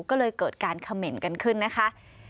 ก็เลยเกิดการเขม่นกันขึ้นนะคะ